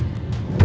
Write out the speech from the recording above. nino udah bilang